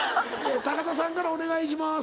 田さんからお願いします。